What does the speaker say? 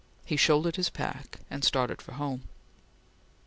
He shouldered his pack and started for home.